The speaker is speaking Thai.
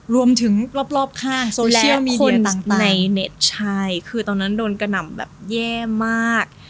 รวมถึงรอบข้างโซเชียร์มีเดียต่างและคนในเน็ตใช่คือตอนนั้นโดนกระหน่ำแบบแย่มาก